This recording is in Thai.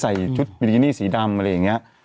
อีกบริกินีซีดำอะไรแบบเนี่ย